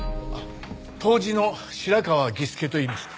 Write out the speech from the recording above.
杜氏の白川儀助といいます。